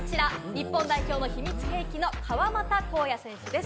日本代表の秘密兵器・川真田紘也選手です。